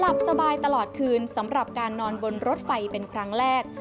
หลับสบายตลอดคืนสำหรับการนอนบนรถไฟเป็นครั้งแรก